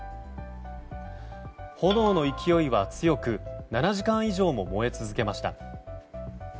炎の勢いは強く７時間以上も燃え続けました。